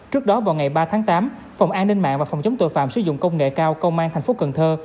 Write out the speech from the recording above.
trước đó vào ngày ba tháng tám phòng an ninh mạng và phòng chống tội phạm sử dụng công nghệ cao công an thành phố cần thơ